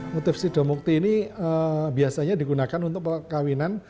motif sidomukti ini biasanya digunakan untuk perkawinan